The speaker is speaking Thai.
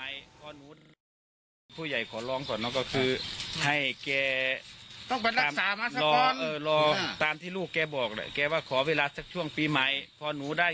ยืดยาวกันต่อไป